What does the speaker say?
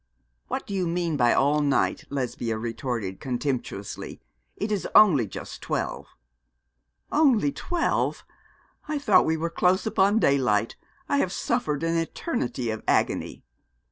'What do you mean by all night?' Lesbia retorted, contemptuously; 'it is only just twelve.' 'Only twelve. I thought we were close upon daylight. I have suffered an eternity of agony.'